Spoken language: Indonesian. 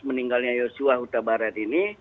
meninggalnya yosua huta barat ini